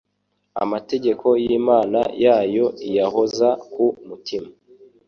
Amategeko y’Imana yayo iyahoza ku mutima